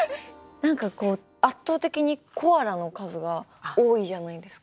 圧倒的にコアラの数が多いじゃないですか。